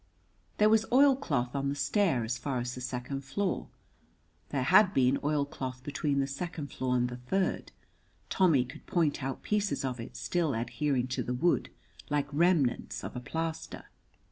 There was oil cloth on the stair as far as the second floor; there had been oil cloth between the second floor and the third Tommy could point out pieces of it still adhering to the wood like remnants of a plaster.